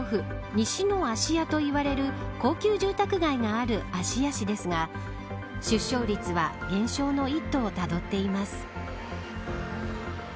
西の芦屋といわれる高級住宅街がある芦屋市ですが出生率は減少の一途をたどっています。